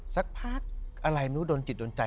สักพักอะไรก็โดนหลวงใจ